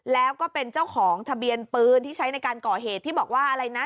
แล้วก็เป็นเจ้าของทะเบียนปืนที่ใช้ในการก่อเหตุที่บอกว่าอะไรนะ